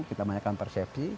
kita menanyakan persepsi